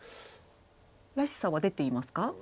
らしさは出ていますか？